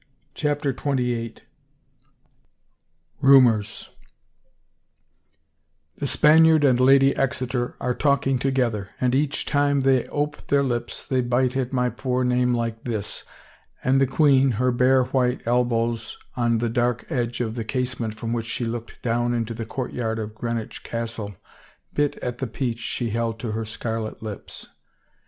CHAPTER XXVIII RUMORS M^^^HE Spaniard and Lady Exeter are talking to m w\ gether, and each time they ope their lips they ^^^^ bite at my poor name like this," and the queen, her bare white elbows on the dark edge of the casement from which she looked down into the court yard of Greenwich Castle, bit at the peach she held to her scarlet lips.